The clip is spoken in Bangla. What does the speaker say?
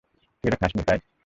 তুই এটা খাসনি, তাই।